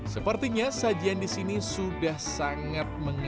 sepertinya sajian disini sudah sangat menyenangkan